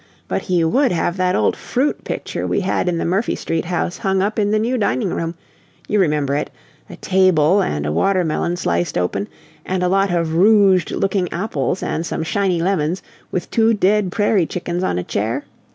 But he would have that old fruit picture we had in the Murphy Street house hung up in the new dining room. You remember it a table and a watermelon sliced open, and a lot of rouged looking apples and some shiny lemons, with two dead prairie chickens on a chair?